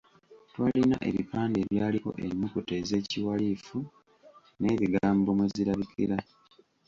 Twalina ebipande ebyaliko ennukuta ez’ekiwalifu n'ebigambo mwe zirabikira.